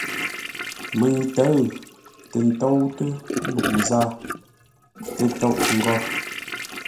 Məŋ ntə̌ʉ tə́ ntóutə́ luʼú zâa tə́tóʼ-ngôr.